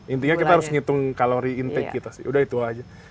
intinya kita harus ngitung kalori intake kita sih udah itu aja